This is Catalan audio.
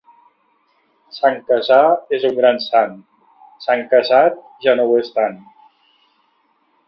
Sant Casar és un gran sant, sant Casat ja no ho és tant.